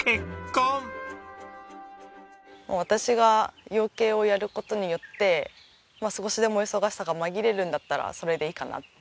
私が養鶏をやる事によって少しでも忙しさが紛れるんだったらそれでいいかなって。